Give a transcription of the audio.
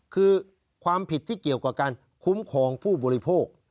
คือความผิดที่เกี่ยวกับการคุ้มครองผู้บริโภค